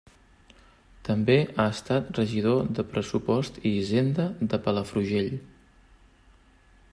També ha estat regidor de Pressupost i Hisenda de Palafrugell.